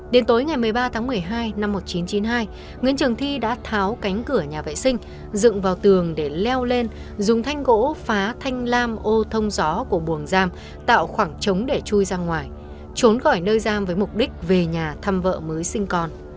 đến tối ngày một mươi ba tháng một mươi hai năm một nghìn chín trăm chín mươi hai nguyễn trường thi đã tháo cánh cửa nhà vệ sinh dựng vào tường để leo lên dùng thanh gỗ phá thanh lam ô thông gió của buồng giam tạo khoảng trống để chui ra ngoài trốn khỏi nơi giam với mục đích về nhà thăm vợ mới sinh con